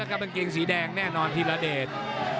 กลางเปังเกงสีแดงแน่นอนทีละเดช